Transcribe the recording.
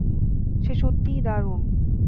সে সত্যিই দারুন।